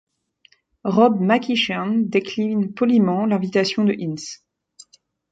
Rob MacEachern décline poliment l'invitation de Hinz.